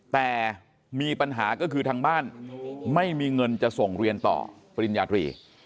แต่มีปัญหาก็คือทางบ้านไม่มีเงินจะส่งเรียนต่อปริญญาตรี